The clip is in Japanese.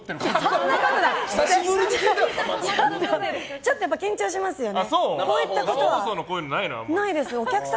ちょっとやっぱり緊張しますよね。